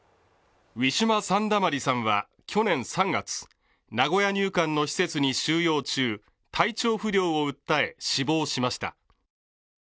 ウィシュマ・サンダマリさんは去年３月、名古屋入管の施設に収容中、体調不良を訴え、死亡しました。